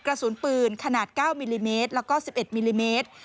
กระสุนปืนขนาด๙มิลลิเมตรแล้วก็๑๑มิลลิเมตร